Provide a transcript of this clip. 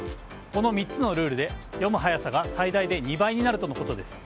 この３つのルールで読む速さが最大で２倍になるということです。